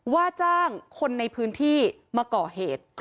ว่าจ้างคนในพื้นที่มาก่อเหตุ